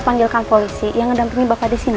saya panggilkan polisi yang ngedampingin bapak di sini ya